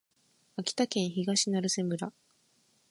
秋田県東成瀬村